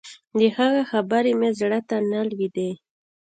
د هغه خبرې مې زړه ته نه لوېدې.